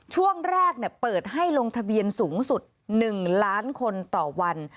ช่วงแรกเปิดให้ลงทะเบียนสูงสุด๑ล้านคนต่อวัน